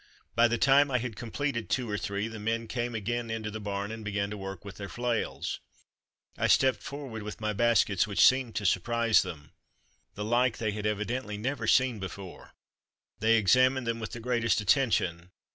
By the time I had completed two or three the men came again into the barn and began to work with their flails. I stepped forward with my baskets, which seemed to surprise them. The like they had evidently never seen before they examined them with the greatest attention.